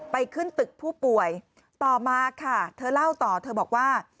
ไปขึ้นตึกผู้ป่วยต่อมาค่ะเธอเล่าต่อเธอบอกว่า